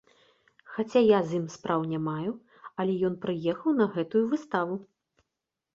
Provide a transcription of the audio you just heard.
Хаця я з ім спраў не маю, але ён прыехаў на гэтую выставу.